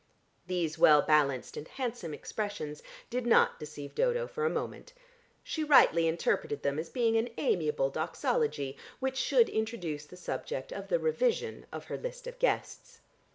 These well balanced and handsome expressions did not deceive Dodo for a moment; she rightly interpreted them as being an amiable doxology which should introduce the subject of the revision of her list of guests.